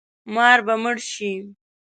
مار به مړ شي